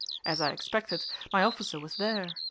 As I expected, my officer was there.